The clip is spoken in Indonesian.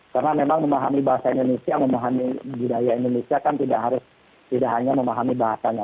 karena memang memahami bahasa indonesia memahami budaya indonesia kan tidak hanya memahami bahasanya